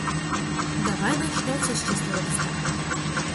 Давай начнём всё с чистого листа.